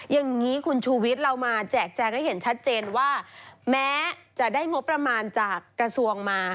อย่างนี้คุณชูวิทย์เรามาแจกแจงให้เห็นชัดเจนว่าแม้จะได้งบประมาณจากกระทรวงมา